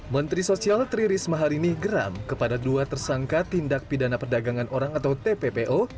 menteri sosial tri risma hari ini geram kepada dua tersangka tindak pidana perdagangan orang atau tppo